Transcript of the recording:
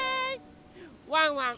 ワンワン